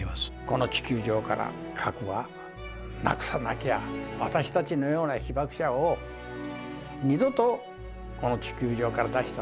この地球上から核はなくさなきゃ私たちのような被爆者を二度とこの地球上から出してはならない。